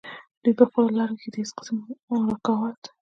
دوي پۀ خپله لاره کښې د هيڅ قسم رکاوټ